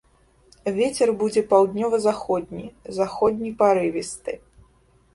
Вецер будзе паўднёва-заходні, заходні парывісты.